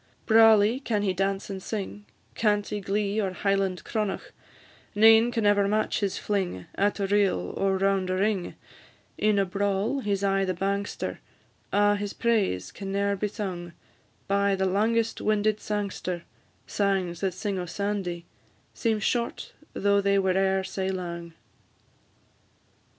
"Brawly can he dance and sing, Canty glee or Highland cronach; Nane can ever match his fling, At a reel or round a ring, In a brawl he 's aye the bangster: A' his praise can ne'er be sung By the langest winded sangster; Sangs that sing o' Sandy, Seem short, though they were e'er sae lang."